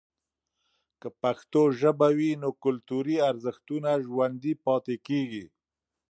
که پښتو ژبه وي، نو کلتوري ارزښتونه ژوندۍ پاتې کیږي.